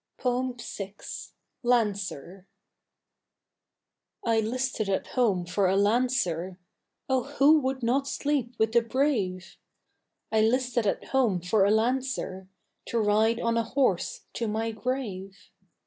VI. LANCER I 'listed at home for a lancer, Oh who would not sleep with the brave? I 'listed at home for a lancer To ride on a horse to my grave.